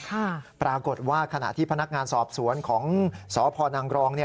ปรากฏว่าขณะที่พนักงานสอบสวนของสพนังกรอง